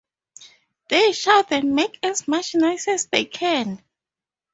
They shout and make as much noise as they can.